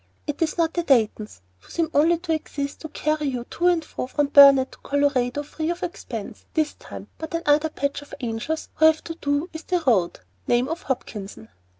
It is not the Daytons, who seem only to exist to carry you to and fro from Burnet to Colorado free of expense, this time, but another batch of angels who have to do with the road, name of Hopkinson.